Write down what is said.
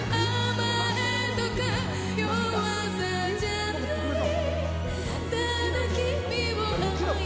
「甘えとか弱さじゃない」